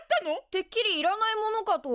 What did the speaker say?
てっきりいらないものかと。